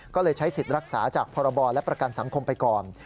ก็เลยใช้สิทธิ์รักษาจากพรบและประกันสังคมไปก่อน